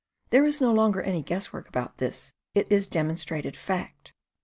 There is no longer any guesswork about this: it is demonstrated fact.